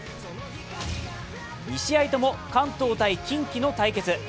２試合とも関東対近畿の対決。